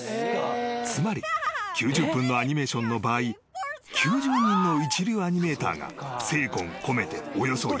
［つまり９０分のアニメーションの場合９０人の一流アニメーターが精魂込めておよそ１分を制作］